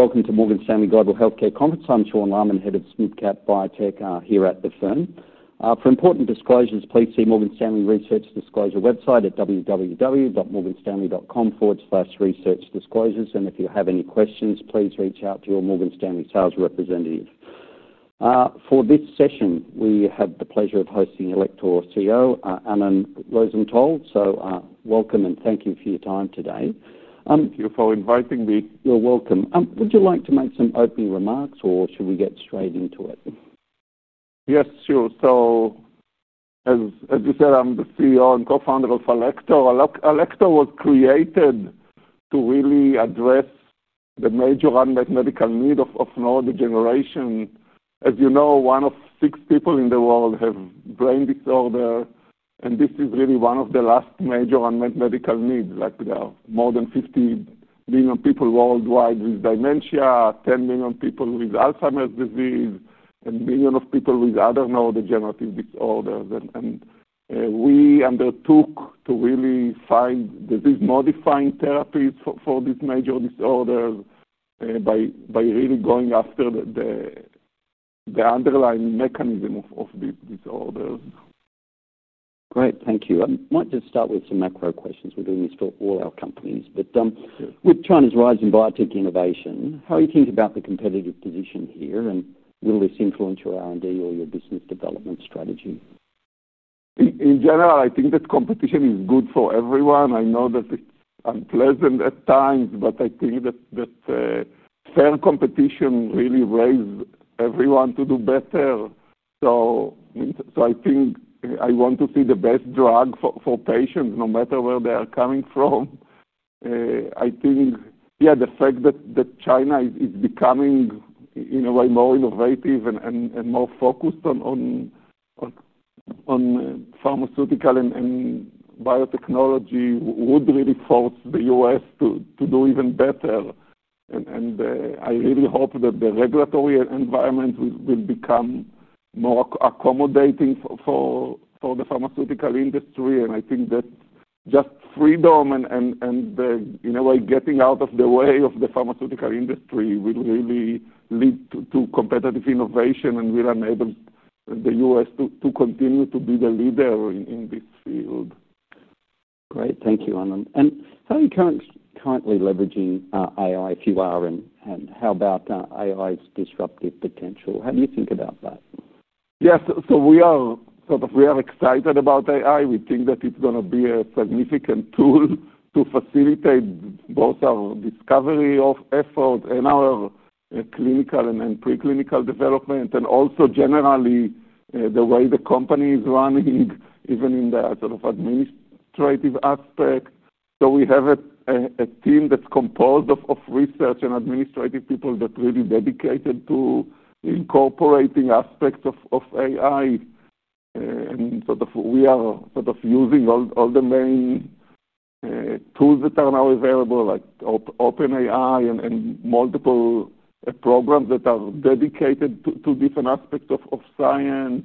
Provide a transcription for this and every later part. Welcome to the Morgan Stanley Global Healthcare Conference. I'm Sean Lyman, Head of SNiCCAP Biotech, here at the firm. For important disclosures, please see the Morgan Stanley Research Disclosure website at www.morganstanley.com/researchdisclosures. If you have any questions, please reach out to your Morgan Stanley sales representative. For this session, we have the pleasure of hosting Alector's CEO, Arnon Rosenthal. Welcome and thank you for your time today. Thank you for inviting me. You're welcome. Would you like to make some opening remarks, or should we get straight into it? Yes, sure. As you said, I'm the CEO and co-founder of Alector. Alector was created to really address the major unmet medical need of now the generation. As you know, one of six people in the world has a brain disorder, and this is really one of the last major unmet medical needs. There are more than 50 million people worldwide with dementia, 10 million people with Alzheimer's disease, and millions of people with other neurodegenerative disorders. We undertook to really find disease-modifying therapies for these major disorders by really going after the underlying mechanism of these disorders. Great, thank you. I might just start with some macro questions. We're doing this for all our companies. With China's rising biotech innovation, how do you think about the competitive position here and whether it's influenced your R&D or your business development strategy? In general, I think that competition is good for everyone. I know that it's unpleasant at times, but I think that fair competition really raises everyone to do better. I want to see the best drug for patients, no matter where they are coming from. I think the fact that China is becoming, in a way, more innovative and more focused on pharmaceutical and biotechnology would really force the U.S. to do even better. I really hope that the regulatory environment will become more accommodating for the pharmaceutical industry. I think that just freedom and, in a way, getting out of the way of the pharmaceutical industry will really lead to competitive innovation and will enable the U.S. to continue to be the leader in this field. Great, thank you, Arnon. How are you currently leveraging AI, if you are? How about AI's disruptive potential? How do you think about that? Yes, we are excited about AI. We think that it's going to be a significant tool to facilitate both our discovery effort and our clinical and preclinical development, and also generally the way the company is running, even in the administrative aspect. We have a team that's composed of research and administrative people that are really dedicated to incorporating aspects of AI. We are using all the main tools that are now available, like OpenAI and multiple programs that are dedicated to different aspects of science.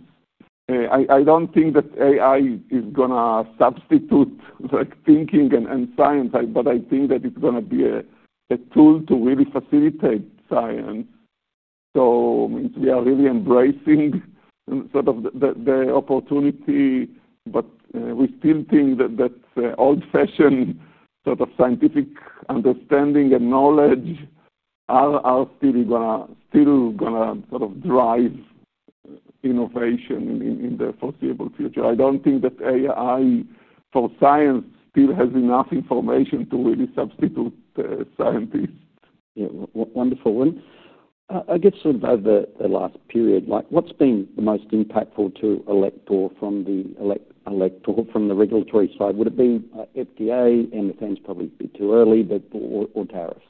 I don't think that AI is going to substitute thinking and science, but I think that it's going to be a tool to really facilitate science. We are really embracing the opportunity, but we still think that old-fashioned scientific understanding and knowledge are still going to drive innovation in the foreseeable future. I don't think that AI for science still has enough information to really substitute scientists. Yeah, wonderful. I guess over the last period, what's been the most impactful to Alector from the regulatory side? Would it have been FDA? The phone's probably a bit too early, but or tariffs?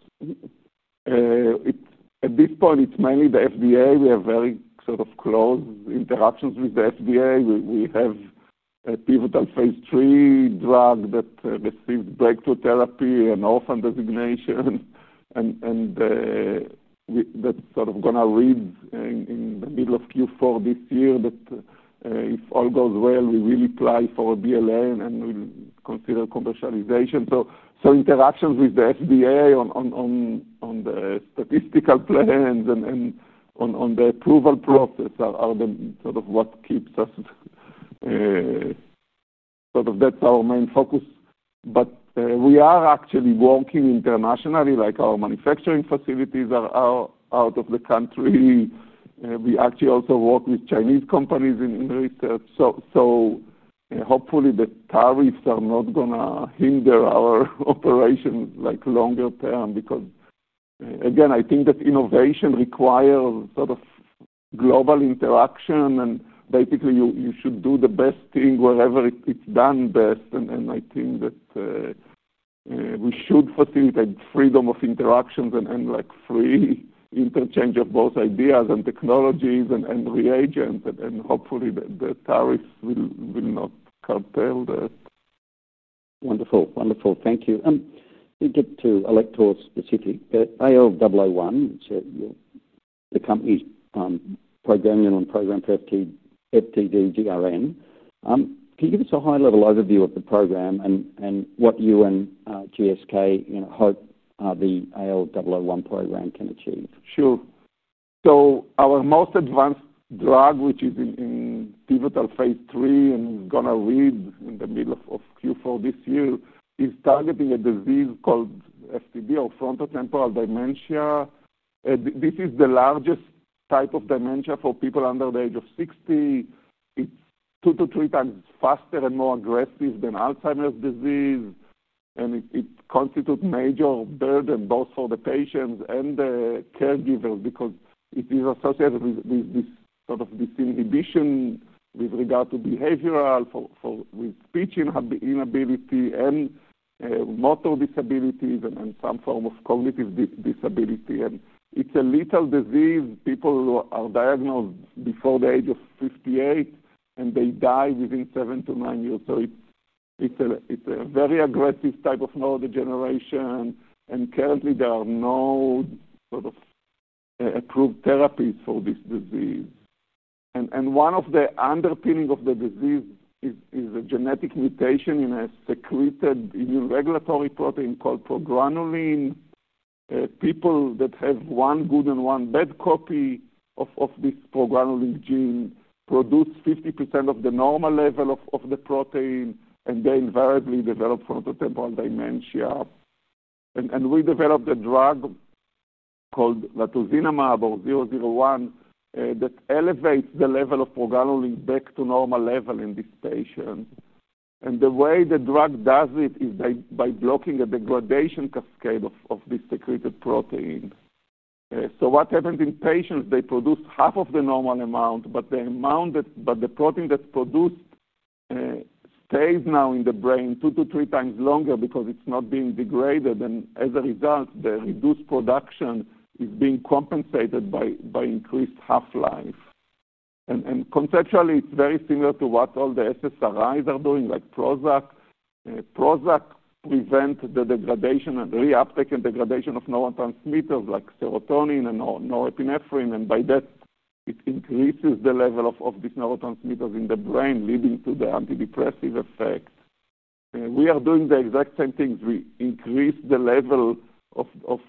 At this point, it's mainly the FDA. We have very sort of close interactions with the FDA. We have a pivotal phase 3 drug that receives breakthrough therapy and orphan designation. That's sort of going to read in the middle of Q4 this year. If all goes well, we really apply for a BLA and we'll consider commercialization. Interactions with the FDA on the statistical plans and on the approval process are what keeps us sort of that's our main focus. We are actually working internationally. Our manufacturing facilities are out of the country. We actually also work with Chinese companies in research. Hopefully the tariffs are not going to hinder our operations longer term because, again, I think that innovation requires sort of global interaction. Basically, you should do the best thing wherever it's done best. I think that we should facilitate freedom of interactions and free interchange of both ideas and technologies and reagents. Hopefully the tariffs will not curtail that. Wonderful, wonderful. Thank you. To get to Alector specifically, AL001, which is the company's program, your own program, APDDRN. Can you give us a high-level overview of the program and what you and GSK hope the AL001 program can achieve? Sure. Our most advanced drug, which is in pivotal phase 3 and is going to read in the middle of Q4 this year, is targeting a disease called FTD or frontotemporal dementia. This is the largest type of dementia for people under the age of 60. It's two to three times faster and more aggressive than Alzheimer's disease. It constitutes a major burden both for the patients and the caregivers because it is associated with this sort of disinhibition with regard to behavioral, with speech inability and motor disabilities, and some form of cognitive disability. It's a lethal disease. People are diagnosed before the age of 58 and they die within seven to nine years. It's a very aggressive type of neurodegeneration. Currently, there are no approved therapies for this disease. One of the underpinnings of the disease is a genetic mutation in a secreted immune regulatory protein called progranulin. People that have one good and one bad copy of this progranulin gene produce 50% of the normal level of the protein and they invariably develop frontotemporal dementia. We developed a drug called latozinemab or AL001 that elevates the level of progranulin back to normal level in this patient. The way the drug does it is by blocking a degradation cascade of this secreted protein. What happens in patients is they produce half of the normal amount, but the protein that's produced stays now in the brain two to three times longer because it's not being degraded. As a result, the reduced production is being compensated by increased half-life. Conceptually, it's very similar to what all the SSRIs are doing, like Prozac. Prozac prevents the reuptake and degradation of neurotransmitters like serotonin and norepinephrine. By that, it increases the level of these neurotransmitters in the brain, leading to the antidepressive effect. We are doing the exact same things. We increase the level of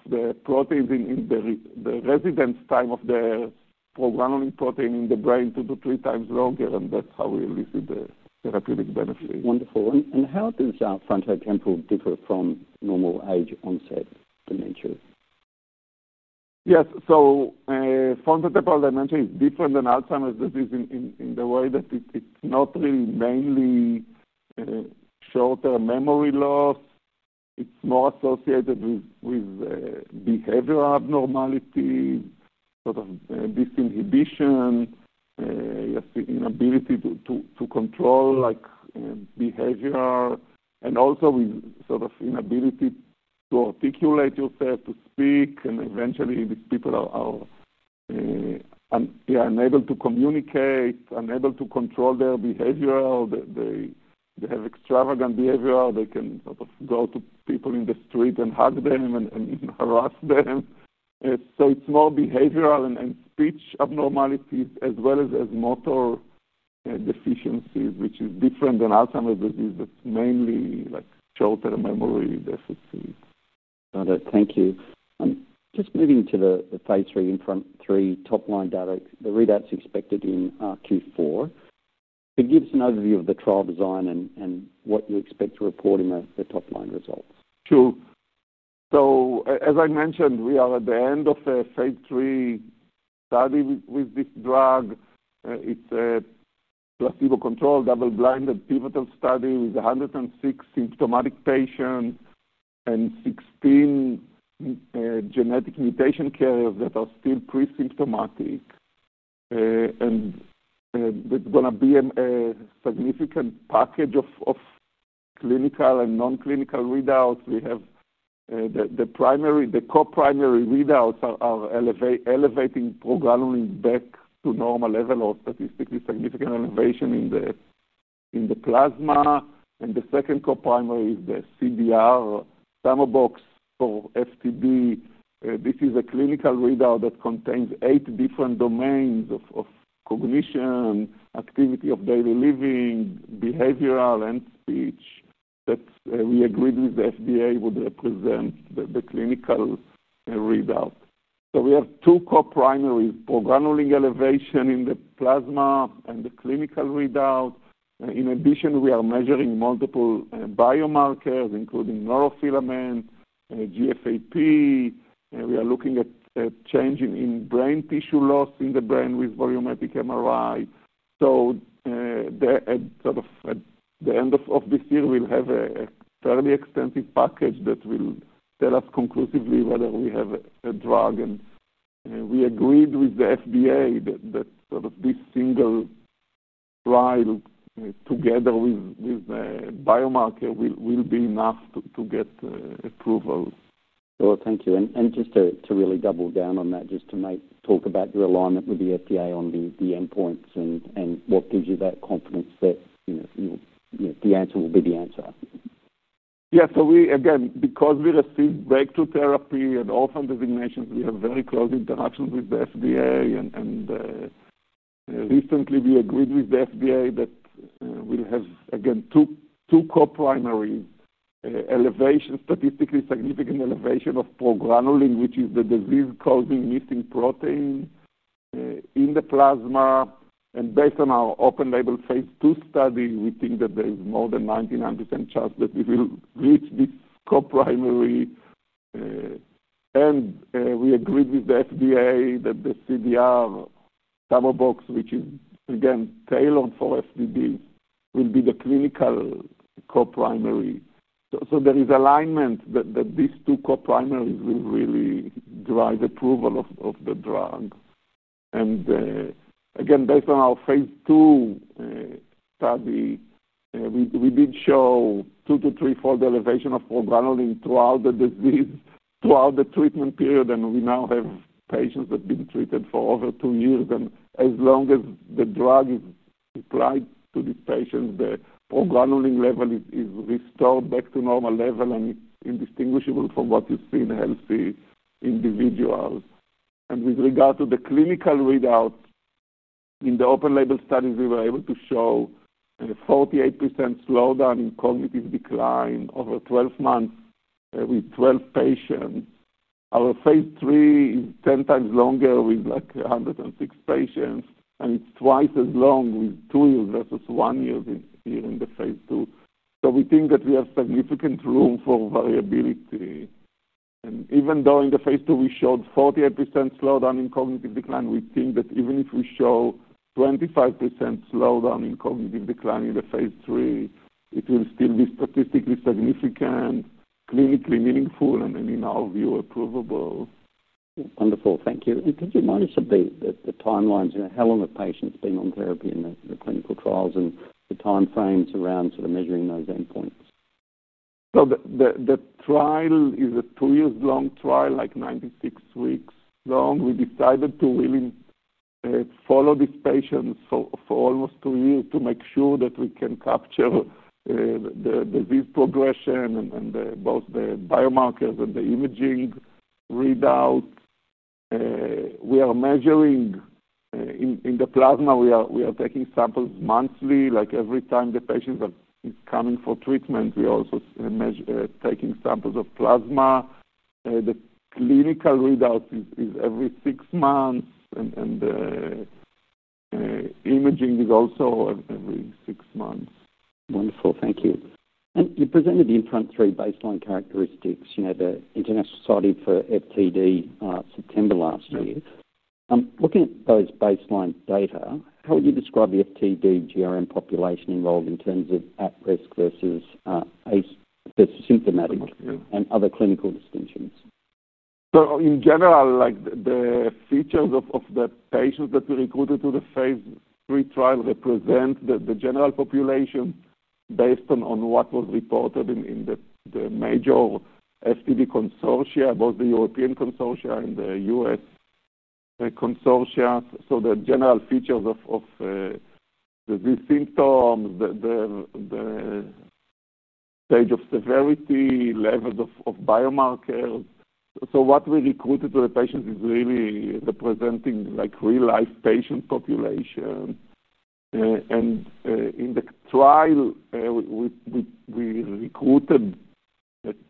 the proteins and the residence time of the progranulin protein in the brain two to three times longer. That's how we elicit the therapeutic benefit. Wonderful. How does frontotemporal dementia differ from normal age-onset dementia? Yes. Frontotemporal dementia is different than Alzheimer's disease in the way that it's not really mainly short-term memory loss. It's more associated with behavioral abnormalities, disinhibition, inability to control behavior, and also with inability to articulate yourself, to speak. Eventually, these people are unable to communicate, unable to control their behavior. They have extravagant behavior. They can go to people in the street and hug them and harass them. It's more behavioral and speech abnormalities as well as motor deficiencies, which is different than Alzheimer's disease. It's mainly short-term memory deficiencies. Got it. Thank you. I'm just moving to the phase 3 and phase 3 top-line data, the readouts expected in Q4. Could you give us an overview of the trial design and what you expect to report in the top-line results? Sure. As I mentioned, we are at the end of a phase 3 study with this drug. It's a placebo-controlled, double-blinded pivotal study with 106 symptomatic patients and 16 genetic mutation carriers that are still pre-symptomatic. It's going to be a significant package of clinical and non-clinical readouts. We have the primary, the co-primary readouts are elevating progranulin back to normal level or statistically significant elevation in the plasma. The second co-primary is the CDR-SB for FTD. This is a clinical readout that contains eight different domains of cognition, activity of daily living, behavioral, and speech that we agreed with the FDA would represent the clinical readout. We have two co-primary, progranulin elevation in the plasma and the clinical readout. In addition, we are measuring multiple biomarkers, including neurofilament and GFAP. We are looking at changes in brain tissue loss in the brain with volumetric MRI. At sort of the end of this year, we'll have a fairly extensive package that will tell us conclusively whether we have a drug. We agreed with the FDA that this single trial together with the biomarker will be enough to get approvals. Thank you. Just to really double down on that, maybe talk about your alignment with the FDA on the endpoints and what gives you that confidence that you know the answer will be the answer. Yeah. We, again, because we receive breakthrough therapy and orphan designations, have very close interactions with the FDA. Recently, we agreed with the FDA that we'll have, again, two co-primary elevations: statistically significant elevation of progranulin, which is the disease-causing missing protein in the plasma. Based on our open-label phase 2 study, we think that there's more than 99% chance that we will reach this co-primary. We agreed with the FDA that the CDR-SB, which is, again, tailored for FTD, will be the clinical co-primary. There is alignment that these two co-primary will really drive approval of the drug. Based on our phase 2 study, we did show two to three-fold elevation of progranulin throughout the disease, throughout the treatment period. We now have patients that have been treated for over two years. As long as the drug is applied to these patients, the progranulin level is restored back to normal level and indistinguishable from what you see in a healthy individual. With regard to the clinical readout, in the open-label studies, we were able to show a 48% slowdown in cognitive decline over 12 months with 12 patients. Our phase 3 is 10 times longer with like 106 patients. It's twice as long with two years versus one year here in the phase 2. We think that we have significant room for variability. Even though in the phase 2, we showed 48% slowdown in cognitive decline, we think that even if we show 25% slowdown in cognitive decline in the phase 3, it will still be statistically significant, clinically meaningful, and in our view, approvable. Wonderful. Thank you. Could you mention the timelines? You know, how long have patients been on therapy in the clinical trials and the timeframes around sort of measuring those endpoints? The trial is a two-year-long trial, like 96 weeks long. We decided to really follow these patients for almost two years to make sure that we can capture the disease progression and both the biomarkers and the imaging readout. We are measuring in the plasma. We are taking samples monthly. Every time the patient is coming for treatment, we are also taking samples of plasma. The clinical readout is every six months, and the imaging is also every six months. Wonderful. Thank you. You presented the impromptu baseline characteristics at the International Society for FTD in September last year. I'm looking at those baseline data. How would you describe the FTD GRN population involved in terms of at-risk versus asymptomatic and other clinical distinctions? In general, the features of the patients that we recruited to the phase 3 trial represent the general population based on what was reported in the major FTD consortia, both the European consortia and the U.S. consortia. The general features of the symptoms, the stage of severity, levels of biomarkers. What we recruited to the patients is really the presenting real-life patient population. In the trial, we recruited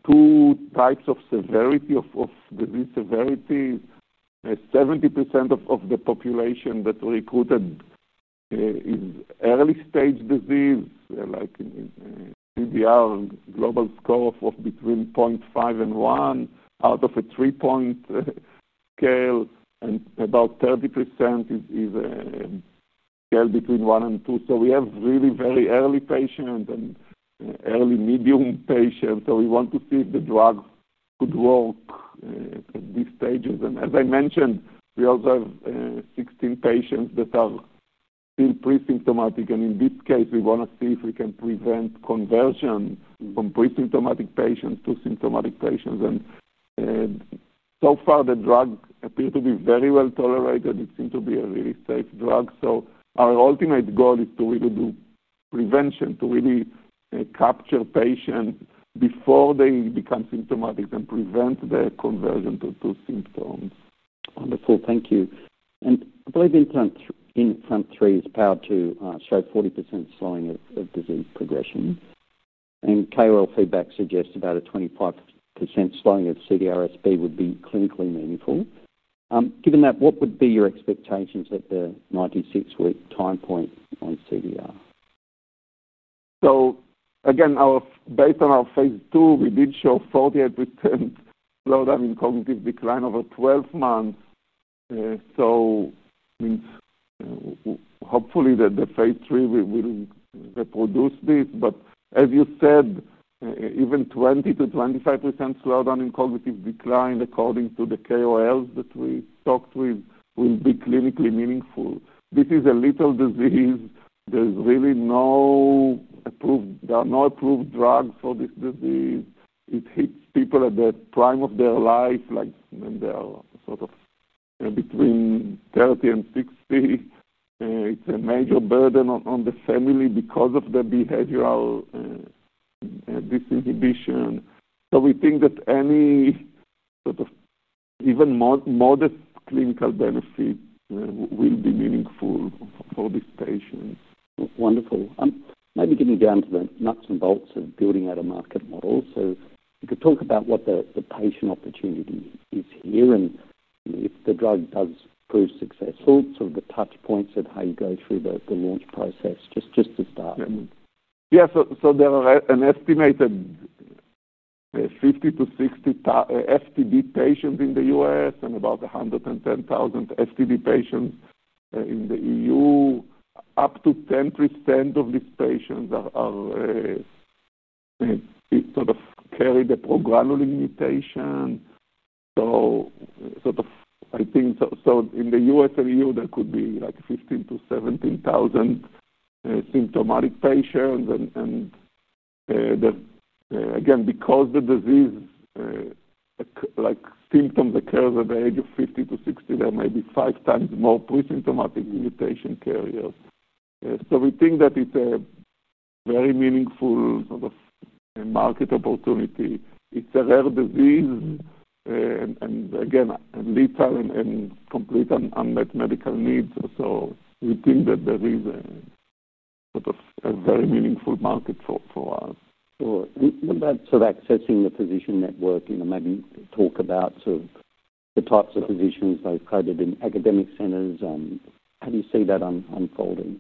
two types of disease severity. 70% of the population that we recruited is early-stage disease, like in CDR-SB global score of between 0.5 and 1 out of a 3-point scale. About 30% is a scale between 1 and 2. We have really very early patients and early medium patients. We want to see if the drug could work at these stages. As I mentioned, we also have 16 patients that are still pre-symptomatic. In this case, we want to see if we can prevent conversion from pre-symptomatic patients to symptomatic patients. So far, the drug appeared to be very well tolerated. It seemed to be a really safe drug. Our ultimate goal is to really do prevention, to really capture patients before they become symptomatic and prevent the conversion to symptoms. Wonderful. Thank you. Inflammatory is powered to show 40% slowing of disease progression. KOL feedback suggests about a 25% slowing of CDR-SB would be clinically meaningful. Given that, what would be your expectations at the 96-week time point on CDR? Based on our phase 2, we did show 48% slowdown in cognitive decline over 12 months. Hopefully, the phase 3 will reproduce this. As you said, even 20 to 25% slowdown in cognitive decline according to the KOLs that we talked with will be clinically meaningful. This is a lethal disease. There are no approved drugs for this disease. It hits people at the prime of their life, like when they are sort of between 30 and 60. It's a major burden on the family because of the behavioral disinhibition. We think that any sort of even modest clinical benefit will be meaningful for these patients. Wonderful. Maybe giving the answer to the nuts and bolts of building out a market model. You could talk about what the patient opportunity is here. If the drug does prove successful, sort of the touch points and how you go through the launch process, just to start. Yeah. There are an estimated 50,000 to 60,000 FTD patients in the U.S. and about 110,000 FTD patients in the EU. Up to 10% of these patients carry the progranulin mutation. In the U.S. and EU, there could be 15,000 to 17,000 symptomatic patients. Because the disease symptoms occur at the age of 50 to 60, there may be five times more pre-symptomatic mutation carriers. We think that it's a very meaningful market opportunity. It's a rare disease, lethal, and with complete unmet medical needs. We think that there is a very meaningful market for us. In that, sort of accessing the physician network, maybe talk about the types of physicians both coded in academic centers and how do you see that unfolding?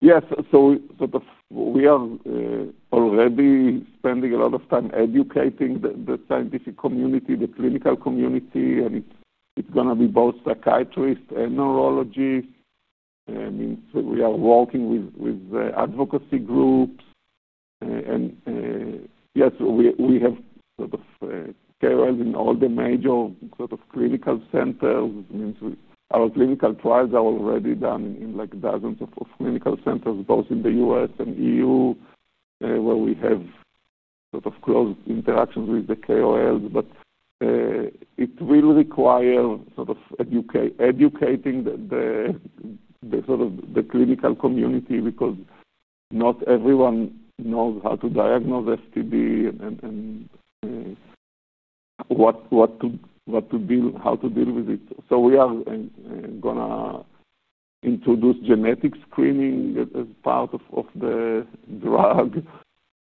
Yes. We are already spending a lot of time educating the scientific community, the clinical community. It's going to be both psychiatrists and neurologists. We are working with advocacy groups. We have KOLs in all the major clinical centers. Our clinical trials are already done in dozens of clinical centers, both in the U.S. and EU, where we have close interactions with the KOLs. It will require educating the clinical community because not everyone knows how to diagnose FTD and what to deal with it. We are going to introduce genetic screening as part of the drug.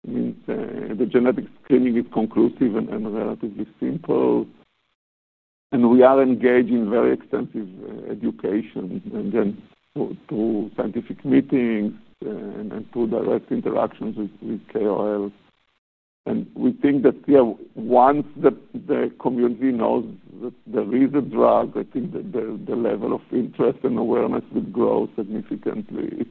The genetic screening is conclusive and relatively simple. We are engaged in very extensive education, again, through scientific meetings and through direct interactions with KOLs. We think that once the community knows that there is a drug, the level of interest and awareness will grow significantly.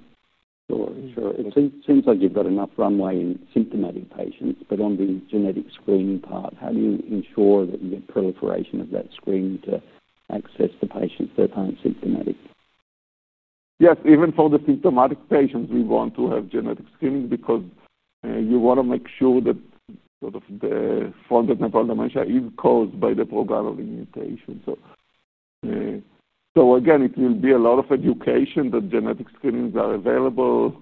It seems like you've got enough runway in symptomatic patients, but on the genetic screening part, how do you ensure that you get proliferation of that screening to access the patients that aren't symptomatic? Yes. Even for the symptomatic patients, we want to have genetic screening because you want to make sure that the frontotemporal dementia is caused by the progranulin mutation. It will be a lot of education that genetic screenings are available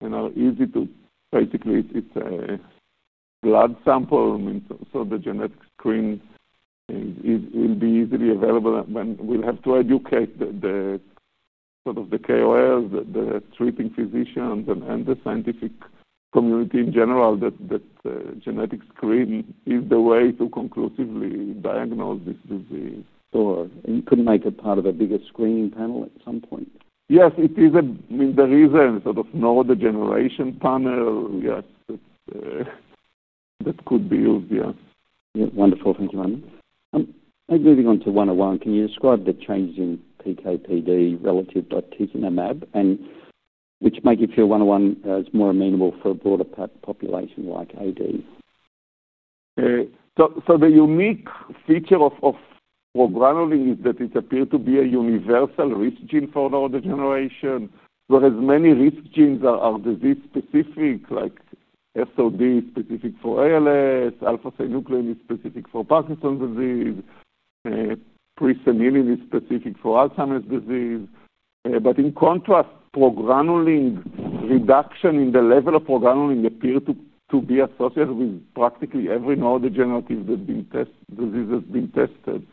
and are easy to do; basically, it's a blood sample. The genetic screen will be easily available. We'll have to educate the KOLs, the treating physicians, and the scientific community in general that the genetic screen is the way to conclusively diagnose this disease. Sure. You could make it part of a bigger screening panel at some point? Yes, there is a sort of neurodegeneration panel that could build, yes. Yeah. Wonderful. Thank you, Arnon. Moving on to AL101, can you describe the changes in PKPD relative to latozinemab and which make you feel AL101 is more amenable for a broader population like AD? The unique feature of progranulin is that it appears to be a universal risk gene for neurodegeneration. Whereas many risk genes are disease-specific, like SOD is specific for ALS, alpha-synuclein is specific for Parkinson's disease, and presenilin is specific for Alzheimer's disease. In contrast, progranulin reduction in the level of progranulin appears to be associated with practically every neurodegenerative disease that's been tested.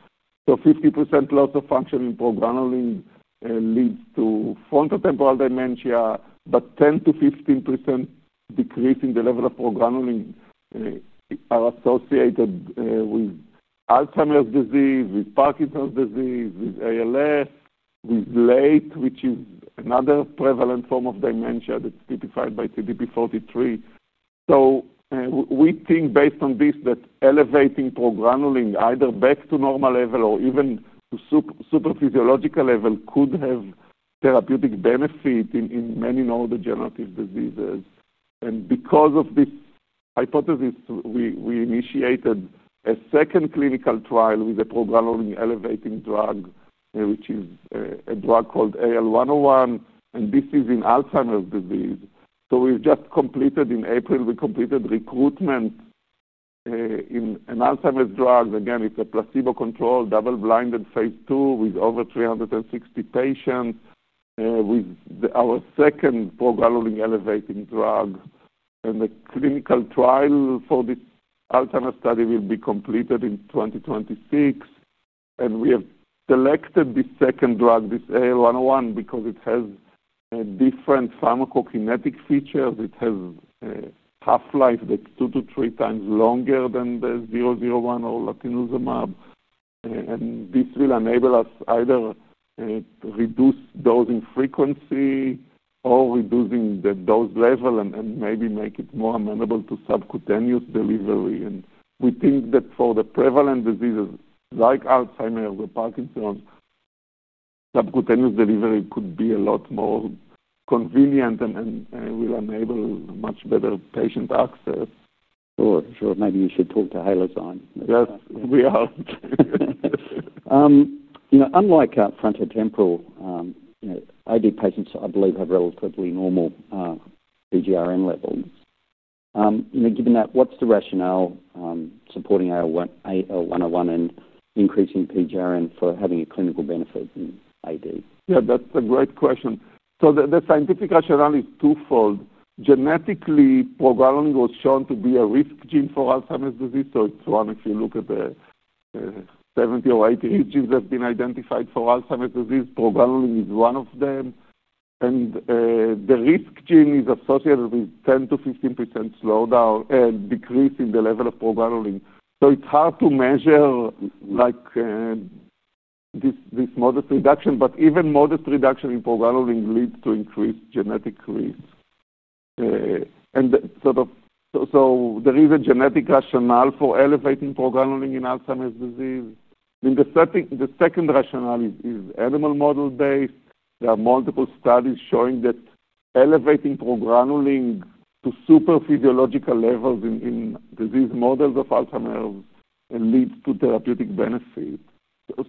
A 50% loss of function in progranulin leads to frontotemporal dementia, but a 10% to 15% decrease in the level of progranulin is associated with Alzheimer's disease, with Parkinson's disease, with ALS, with LATE, which is another prevalent form of dementia that's typified by TDP-43. Based on this, elevating progranulin either back to normal level or even to supraphysiological level could have therapeutic benefit in many neurodegenerative diseases. Because of this hypothesis, we initiated a second clinical trial with a progranulin-elevating drug, which is a drug called AL101. This is in Alzheimer's disease. We completed recruitment in April in Alzheimer's disease. It's a placebo-controlled, double-blinded phase 2 with over 360 patients with our second progranulin-elevating drug. The clinical trial for this Alzheimer's study will be completed in 2026. We have selected this second drug, this AL101, because it has different pharmacokinetic features. It has a half-life two to three times longer than the 001 or latozinemab. This will enable us either to reduce dosing frequency or reduce the dose level and maybe make it more amenable to subcutaneous delivery. We think that for the prevalent diseases like Alzheimer's or Parkinson's, subcutaneous delivery could be a lot more convenient and will enable much better patient access. Sure. Maybe you should talk to Alector. Yes, we are. Unlike our frontotemporal, you know, AD patients, I believe, have relatively normal PGRN levels. You know, given that, what's the rationale supporting AL101 and increasing PGRN for having a clinical benefit in AD? Yeah, that's a great question. The scientific rationale is twofold. Genetically, progranulin was shown to be a risk gene for Alzheimer's disease. If you look at the 70 or 80 risk genes that have been identified for Alzheimer's disease, progranulin is one of them. The risk gene is associated with a 10% to 15% slowdown and decrease in the level of progranulin. It's hard to measure this modest reduction, but even modest reduction in progranulin leads to increased genetic risk. There is a genetic rationale for elevating progranulin in Alzheimer's disease. The second rationale is animal model-based. There are multiple studies showing that elevating progranulin to super physiological levels in disease models of Alzheimer's leads to therapeutic benefit.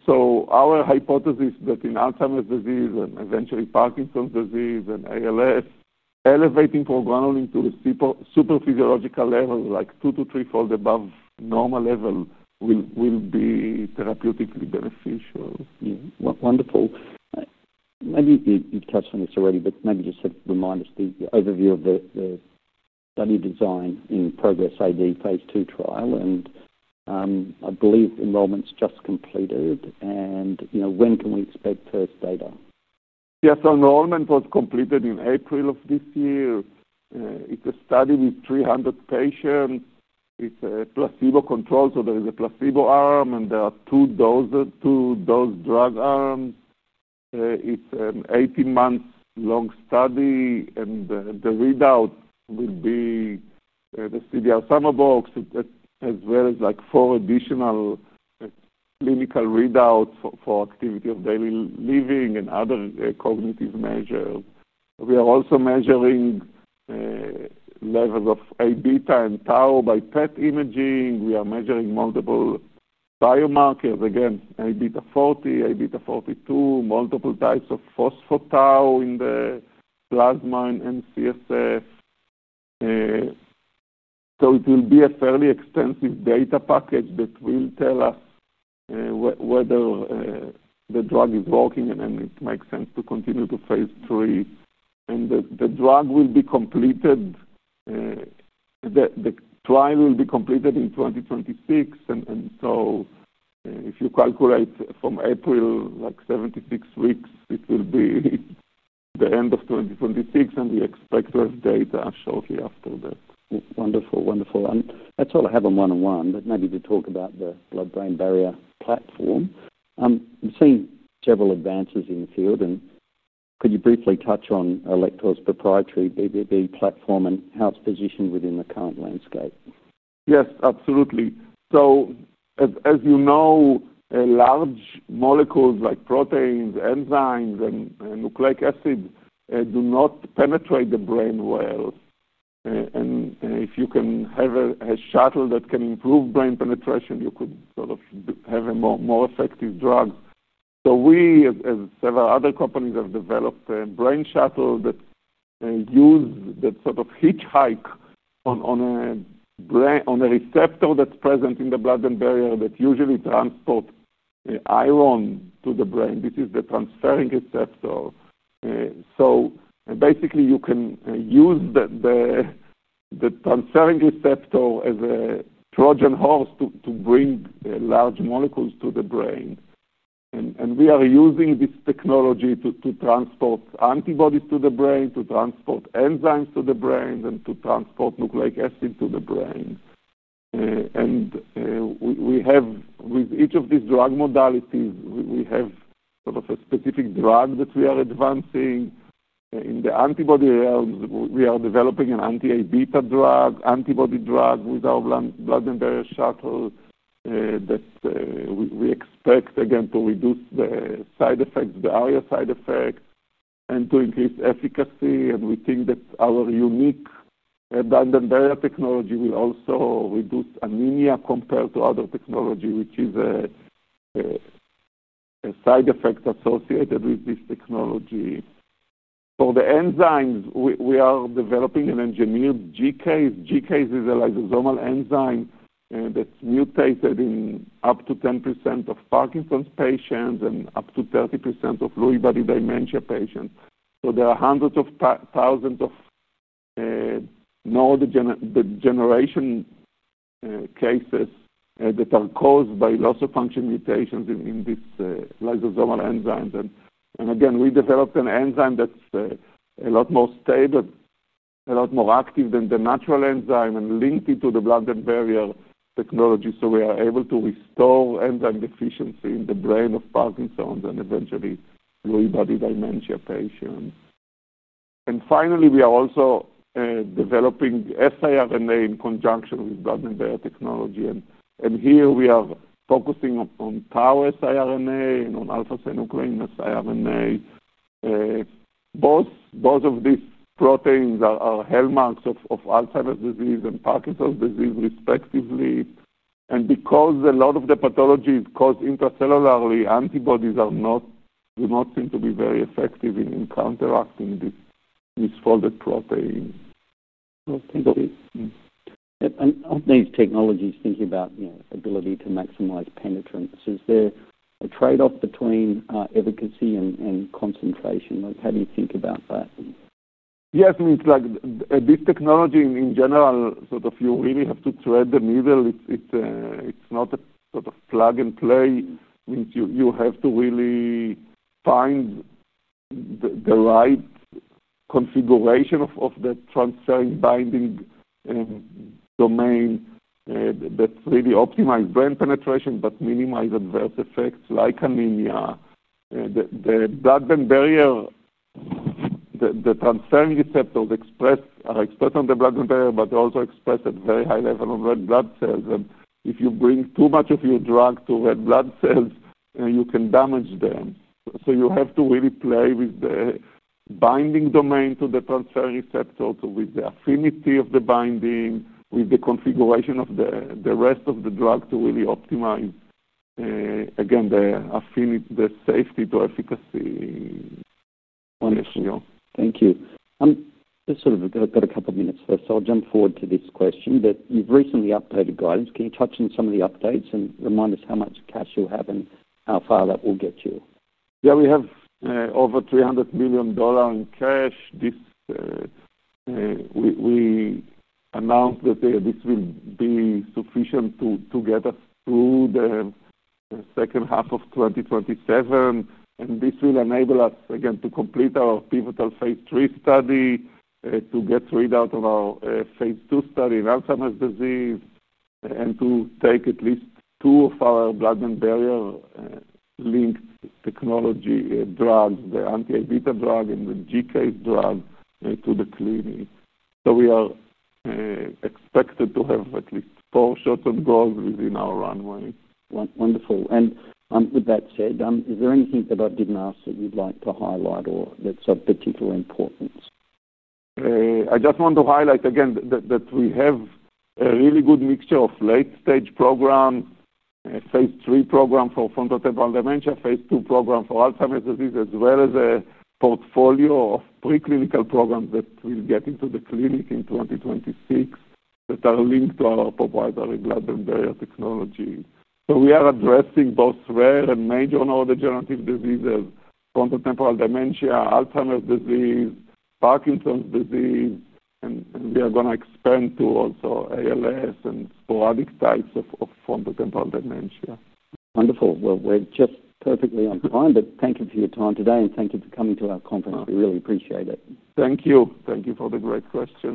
Our hypothesis is that in Alzheimer's disease and eventually Parkinson's disease and ALS, elevating progranulin to a super physiological level, like two to three fold above normal level, will be therapeutically beneficial. Yeah. Wonderful. Maybe you've touched on this already, but maybe just to remind us the overview of the study design in progress in the phase 2 trial. I believe enrollment's just completed. You know, when can we expect first data? Yeah. Enrollment was completed in April of this year. It's a study with 300 patients. It's a placebo control, so there is a placebo arm, and there are two dose drug arms. It's an 18-month long study. The readout will be the CDR-SB, as well as like four additional clinical readouts for activity of daily living and other cognitive measures. We are also measuring levels of A-beta and tau by PET imaging. We are measuring multiple biomarkers, again, A-beta 40, A-beta 42, multiple types of phospho tau in the plasma and MCSA. It will be a fairly extensive data package that will tell us whether the drug is working and if it makes sense to continue to phase 3. The trial will be completed in 2026. If you calculate from April, like 76 weeks, it will be the end of 2026. We expect to have data shortly after that. Wonderful. Wonderful. Let's talk about AL101, but maybe we talk about the blood-brain barrier platform. We've seen several advances in the field. Could you briefly touch on Alector's proprietary BBB platform and how it's positioned within the current landscape? Yes, absolutely. As you know, large molecules like proteins, enzymes, and nucleic acids do not penetrate the brain well. If you can have a shuttle that can improve brain penetration, you could have a more effective drug. We, as several other companies, have developed a brain shuttle that uses a receptor that's present in the blood-brain barrier that usually transports iron to the brain. This is the transferrin receptor. You can use the transferrin receptor as a Trojan horse to bring large molecules to the brain. We are using this technology to transport antibodies to the brain, to transport enzymes to the brain, and to transport nucleic acid to the brain. With each of these drug modalities, we have a specific drug that we are advancing. In the antibody realm, we are developing an anti-Aβ antibody drug with our blood-brain barrier shuttle that we expect to reduce the side effects, the area side effects, and to increase efficacy. We think that our unique blood-brain barrier technology will also reduce anemia compared to other technologies, which is a side effect associated with this technology. For the enzymes, we are developing an engineered GCase. GCase is a lysosomal enzyme that's mutated in up to 10% of Parkinson's patients and up to 30% of Lewy body dementia patients. There are hundreds of thousands of neurodegeneration cases that are caused by loss of function mutations in these lysosomal enzymes. We developed an enzyme that's a lot more stable, a lot more active than the natural enzyme, and linked it to the blood-brain barrier technology. We are able to restore enzyme deficiency in the brain of Parkinson's and eventually Lewy body dementia patients. Finally, we are also developing siRNA in conjunction with blood-brain barrier technology. Here, we are focusing on tau siRNA and on alpha-synuclein siRNA. Both of these proteins are hallmarks of Alzheimer's disease and Parkinson's disease, respectively. Because a lot of the pathology is caused intracellularly, antibodies do not seem to be very effective in counteracting these misfolded proteins. Of these technologies, thinking about the ability to maximize penetrance, is there a trade-off between efficacy and concentration? How do you think about that? Yes. I mean, like this technology in general, you really have to thread the needle. It's not a plug and play. You have to really find the right configuration of that transferrin binding domain that really optimizes brain penetration, but minimizes adverse effects like anemia. The blood-brain barrier, the transferrin receptors are expressed on the blood-brain barrier, but they're also expressed at very high level on red blood cells. If you bring too much of your drug to red blood cells, you can damage them. You have to really play with the binding domain to the transferrin receptor, with the affinity of the binding, with the configuration of the rest of the drug to really optimize, again, the safety to efficacy. Wonderful. Thank you. I've just got a couple of minutes left. I'll jump forward to this question that you've recently updated guidance. Can you touch on some of the updates and remind us how much cash you have and how far that will get you? Yeah. We have over $300 million in cash. We announced that this will be sufficient to get us through the second half of 2027. This will enable us, again, to complete our pivotal phase 3 study, to get readout of our phase 2 study in Alzheimer's disease, and to take at least two of our blood-brain barrier-linked technology drugs, the anti-Aβ drug and the GCase drug, to the clinic. We are expected to have at least four shuttle goals within our runway. Wonderful. With that said, is there anything that I didn't ask that you'd like to highlight or that's of particular importance? I just want to highlight, again, that we have a really good mixture of late-stage program, a phase 3 program for frontotemporal dementia, phase 2 program for Alzheimer's disease, as well as a portfolio of preclinical programs that will get into the clinic in 2026 that are linked to our proprietary blood-brain barrier technology. We are addressing both rare and major neurodegenerative diseases, frontotemporal dementia, Alzheimer's disease, Parkinson's disease, and we are going to expand to also ALS and sporadic types of frontotemporal dementia. Wonderful. We're just perfectly on time. Thank you for your time today and thank you for coming to our conference. We really appreciate it. Thank you. Thank you for the great question.